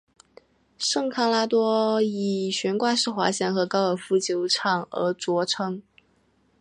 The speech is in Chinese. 圣康拉多以悬挂式滑翔和高尔夫球场而着称。